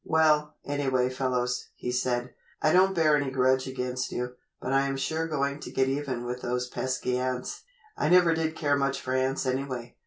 "Well, anyway, fellows," he said, "I don't bear any grudge against you, but I am sure going to get even with those pesky ants. I never did care much for ants anyway.